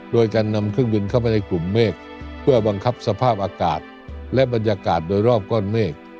โดยการนำเครื่องบินเข้าไปในกลุ่มเมฆเพื่อบังคับสภาพอากาศและบรรยากาศโดยรอบก้อนเมฆ